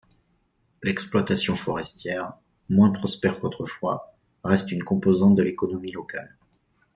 L'exploitation forestière, moins prospère qu'autrefois, reste une composante de l'économie locale.